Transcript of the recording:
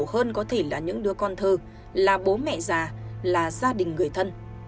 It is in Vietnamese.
nạn nhân có thể là những đứa con thơ là bố mẹ già là gia đình người thân